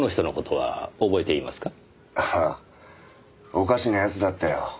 おかしな奴だったよ。